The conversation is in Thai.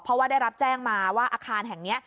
เพราะว่าได้รับแจ้งมาว่าอาคารแห่งนี้